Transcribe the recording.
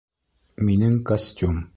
Минең костюм!